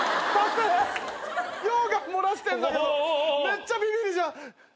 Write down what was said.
めっちゃビビりじゃん。